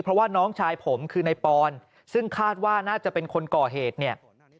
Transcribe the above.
เพราะว่าน้องชายผมคือนายปอนซึ่งคาดว่าน่าจะเป็นคนก่อเหตุเนี่ย